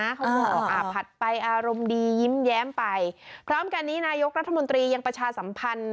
เขาบอกอ่าผัดไปอารมณ์ดียิ้มแย้มไปพร้อมกันนี้นายกรัฐมนตรียังประชาสัมพันธ์